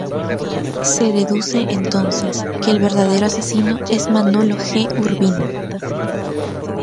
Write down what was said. Se deduce entonces que el verdadero asesino es Manolo G. Urbina.